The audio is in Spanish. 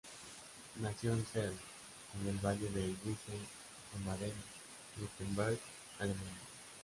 Nació en Zell en el Valle del Wiese, en Baden-Württemberg, Alemania.